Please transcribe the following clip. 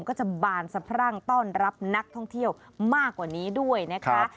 ก็จะบานสะพรั่งต้อนรับนักท่องเที่ยวมากกว่านี้ด้วยนะคะ